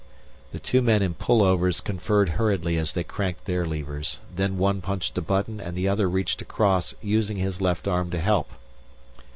The two men in pullovers conferred hurriedly as they cranked their levers; then one punched a button and the other reached across, using his left arm to help.